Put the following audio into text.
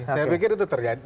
saya pikir itu terjadi